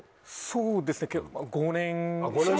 そうですね。